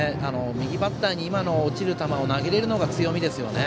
右バッターに落ちる球を投げられるのが強みですよね。